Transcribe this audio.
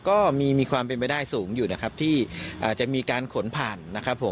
ก็มีความเป็นไปได้สูงอยู่นะครับที่จะมีการขนผ่านนะครับผม